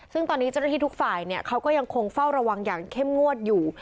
ซึ่งตอนนี้เจ้าหน้าที่ทุกฝ่ายเขาก็ยังคงเฝ้าระวังอย่างเข้มงวดอยู่